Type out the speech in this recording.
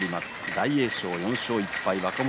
大栄翔４勝１敗若元